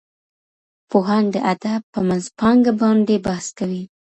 پوهان د ادب په منځپانګه باندې بحث کوي.